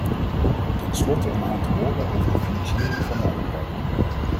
Ten slotte een aantal woorden over de financiering van de uitbreiding.